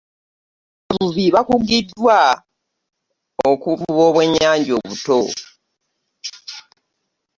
Abavubi bakugiddwa okuvuba obw'ennyanja obuto.